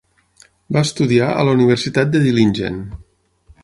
Va estudiar a la Universitat de Dillingen.